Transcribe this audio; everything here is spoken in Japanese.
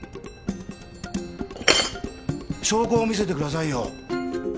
証拠を見せてくださいよ。